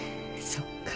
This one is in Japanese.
そっか。